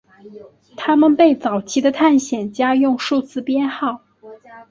他们被早期的探险家用数字编号。